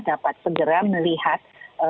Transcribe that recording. dapat segera melihat